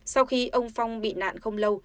sau khi ông phong bị nạn không lâu